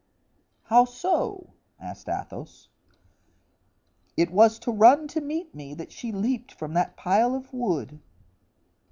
"How so?" asked Athos. "It was to run to meet me that she leaped from that pile of wood."